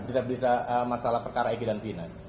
tidak berita masalah perkara eki dan fina